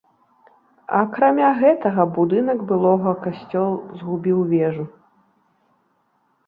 Акрамя гэтага, будынак былога касцёл згубіў вежу.